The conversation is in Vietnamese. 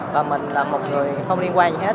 và mình là một người không liên quan đến hết